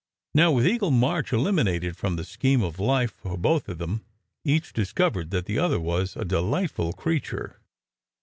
Now, with Eagle March eliminated from the scheme of life for both of them, each discovered that the other was a delightful creature.